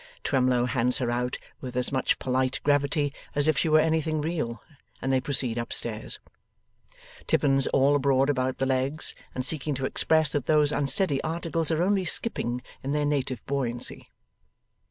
Twemlow hands her out with as much polite gravity as if she were anything real, and they proceed upstairs. Tippins all abroad about the legs, and seeking to express that those unsteady articles are only skipping in their native buoyancy.